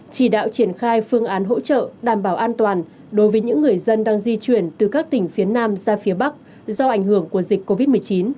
chỉ đạo triển khai phương án hỗ trợ đảm bảo an toàn đối với những người dân đang di chuyển từ các tỉnh phía nam ra phía bắc do ảnh hưởng của dịch covid một mươi chín